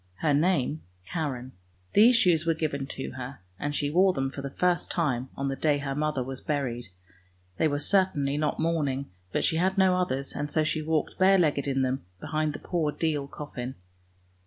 Her name Karen. These shoes were given to her, and she wore them for the first time on the day her mother was buried ; they were certainly not mourning, but she had no others, and so she walked bare legged in them behind the poor deal coffin.